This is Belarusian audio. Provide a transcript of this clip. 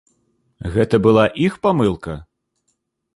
Гэта была іх памылка?